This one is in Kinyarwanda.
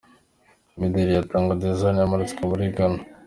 Imideli ya Tanga Designs yamuritswe muri Ghana.